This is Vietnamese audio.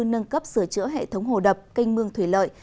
nâng cấp sửa chữa hệ thống hồ đập canh mương thủy lợi